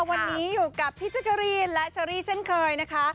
วันนี้อยู่กับพี่จักรีนและเชอรี่เช่นเคยนะคะ